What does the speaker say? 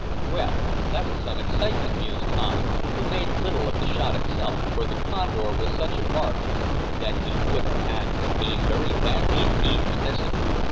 "Well, that was some excitement," mused Tom, who made little of the shot itself, for the condor was such a mark that he would have had to aim very badly indeed to miss it.